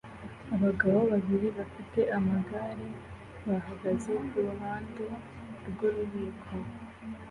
Abagabo babiri bafite amagare bahagaze kuruhande rwububiko